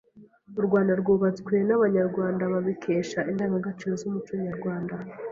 U Rwanda rwubatswe n’abanyarwanda babikesha indangagaciro z’umuco nyarwanda,